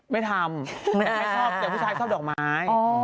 ไม่ทำไม่ชอบแต่ผู้ชายชอบดอกไม้